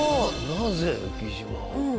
なぜ浮島を？